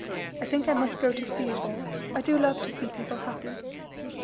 I think I must go to see it all. I do love to see people happy."